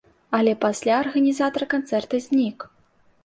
Але пасля арганізатар канцэрта знік.